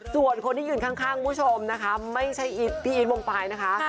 ส่วนคนที่ยืนข้างคุณผู้ชมนะคะไม่ใช่อีทพี่อีทวงปลายนะคะ